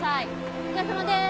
お疲れさまです。